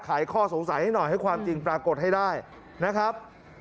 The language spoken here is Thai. ข้อสงสัยให้หน่อยให้ความจริงปรากฏให้ได้นะครับ